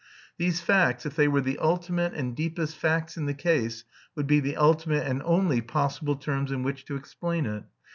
These facts, if they were the ultimate and deepest facts in the case, would be the ultimate and only possible terms in which to explain it.